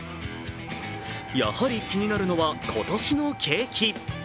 やはり気になるのは今年の景気。